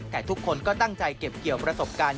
แต่ทุกคนก็ตั้งใจเก็บเกี่ยวประสบการณ์